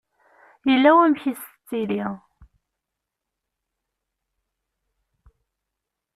Yella wamek i s-tettili.